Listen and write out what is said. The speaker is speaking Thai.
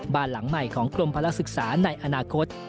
บ้านหลังใหม่ของกรมพลักษึกษาในอนาคต